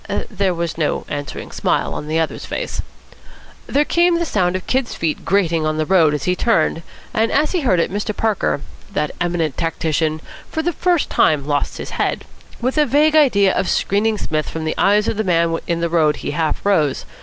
There was no answering smile on the other's face. There came the sound of the Kid's feet grating on the road as he turned; and as he heard it Mr. Parker, that eminent tactician, for the first time lost his head. With a vague idea of screening Psmith from the eyes of the man in the road he half rose.